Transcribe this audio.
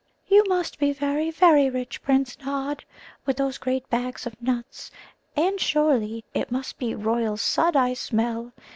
"You must be very, very rich, Prince Nod, with those great bags of nuts; and, surely, it must be royal Sudd I smell!